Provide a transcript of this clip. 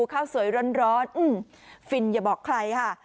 ข้าวสวยร้อนฟินอย่าบอกใครค่ะ